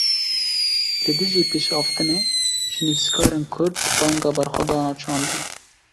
Li dijî bişaftinê, ji nivîskarên Kurd banga berxwedana çandî